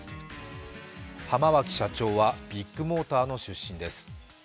浜脇社長はビッグモーターの出身です。